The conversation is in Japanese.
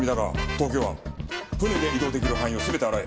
東京湾船で移動出来る範囲を全て洗え。